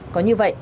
có như vậy